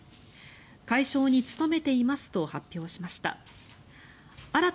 解消に努めていますと発表しました。